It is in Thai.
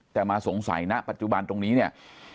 แต่มาสงสัยณปัจจุบันตรงนี้เนี่ย